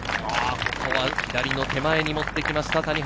ここは左の手前に持ってきました、谷原。